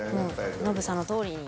［もうノブさんのとおりに］